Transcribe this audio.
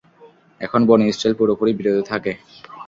এখন বনী ইসরাঈল পুরোপুরি বিরত থাকে।